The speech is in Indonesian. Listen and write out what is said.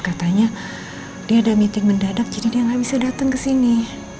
katanya dia ada meeting mendadak jadi dia nggak bisa datang ke sini